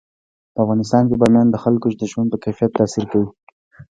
په افغانستان کې بامیان د خلکو د ژوند په کیفیت تاثیر کوي.